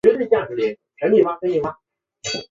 小田原方向的车辆不可在此交流道前往一般道路。